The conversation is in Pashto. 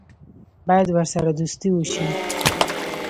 باید ورسره دوستي وشي.